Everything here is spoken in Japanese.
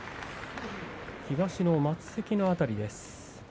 東の升席の辺りです。